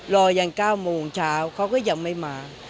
รอยัง๙โมงเช้าเขาก็ยังไม่มา